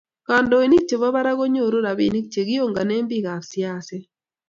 kandoinik chebo barak konyoru robinik chegiongane bikaap siaset